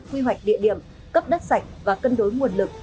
quy hoạch địa điểm cấp đất sạch và cân đối nguồn lực